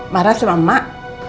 marah sama mak